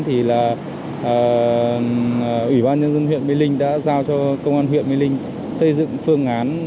thì là ủy ban nhân dân huyện mê linh đã giao cho công an huyện mê linh xây dựng phương án